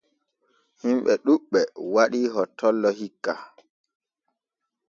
Himɓe ɗuuɓɓe waɗi hottollo hikka.